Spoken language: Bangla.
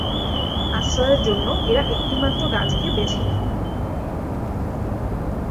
আশ্রয়ের জন্য এরা একটিমাত্র গাছকে বেছে নেয়।